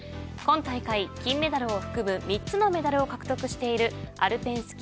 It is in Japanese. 今大会金メダルを含む３つのメダルを獲得しているアルペン